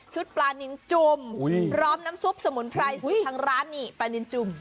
ปลานินจุ่มพร้อมน้ำซุปสมุนไพรสูตรทางร้านนี่ปลานินจุ่ม